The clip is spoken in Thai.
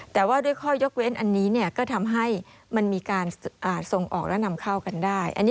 แต่ว่าด้วยข้อยกเว้นอันนี้ก็ทำให้มันมีการส่งออกและนำเข้ากันได้